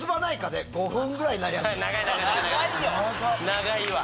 長いわ。